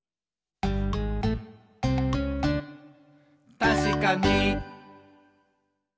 「たしかに！」